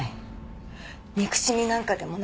憎しみなんかでもない。